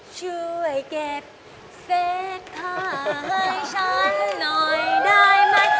ช่วยเก็บเฟสข้าเฮ้ยฉันหน่อยได้ไหม